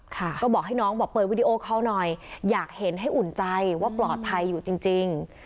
ค่ะก็บอกให้น้องบอกเปิดวิดีโอคอลหน่อยอยากเห็นให้อุ่นใจว่าปลอดภัยอยู่จริง